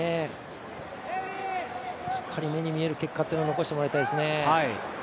しっかり、目に見える結果残してほしいですね。